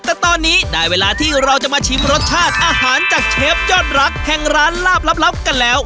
แต่ตอนนี้ได้เวลาที่เราจะมาชิมรสชาติอาหารจากเชฟยอดรักแห่งร้านลาบลับกันแล้ว